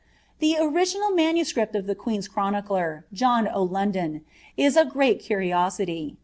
The original MS. of the queen's chronicler, John o' London, is a great cnnoaity.